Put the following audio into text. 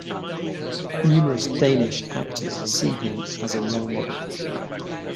Numerous Danish actors see him as a role model.